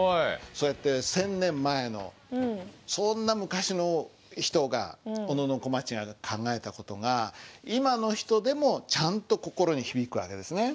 そうやって１，０００年前のそんな昔の人が小野小町が考えた事が今の人でもちゃんと心に響く訳ですね。